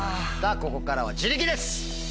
ここからは自力です！